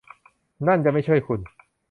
นั่นจะไม่ช่วยคุณ